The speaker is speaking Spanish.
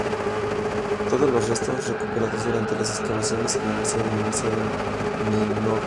Todos los restos recuperados durante las excavaciones se conservan en el Museo de Menorca.